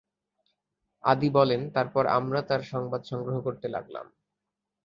আদী বলেন, তারপর আমরা তার সংবাদ সংগ্রহ করতে লাগলাম।